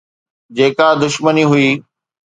جيڪا دشمني هئي